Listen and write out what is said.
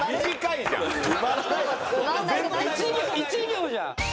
１行じゃん。